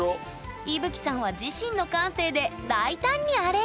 いぶきさんは自身の感性で大胆にアレンジ！